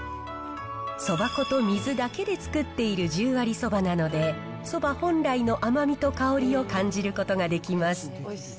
そば粉と水だけで作っている十割そばなので、そば本来の甘みと香りを感じることができます。